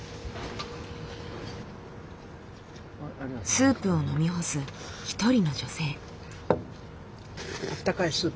スープを飲み干す一人の女性。